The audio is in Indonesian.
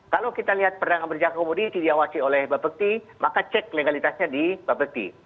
kalau kita lihat perdagangan berjaga komodi tidak wasi oleh bapak bekti maka cek legalitasnya di bapak bekti